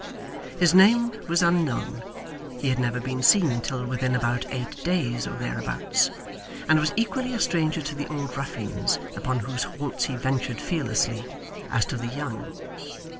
His name was unknown, he had never been seen until within about eight days or thereabouts, and was equally a stranger to the old ruffians, upon whose haunts he ventured fearlessly, as to the young.